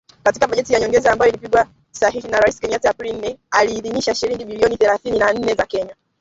Katika bajeti ya nyongeza ambayo ilipigwa sahihi na Rais Kenyatta Aprili nne , aliidhinisha shilingi bilioni thelathini na nne za Kenya